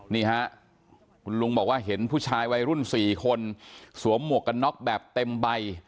นี่ฮะคุณลุงบอกว่าเห็นผู้ชายวัยรุ่น๔คนสวมหมวกกันน็อกแบบเต็มใบ